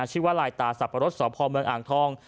ชื่อว่าไลน์ตาสับปะรดสอบภอมเมืองอ่างทอง